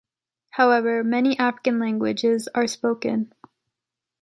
However, many African languages are spoken.